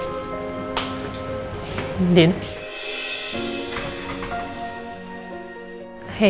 siapa office boy yang dimaksud sama si amar itu